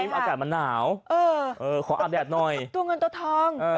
ช่วงนี้มันอาจจะมันหนาวเออเออขออาบแดดหน่อยตัวเงินตัวทองเออ